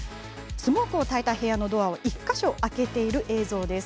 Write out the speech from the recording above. スモークをたいた部屋のドアを１か所、開けた映像です。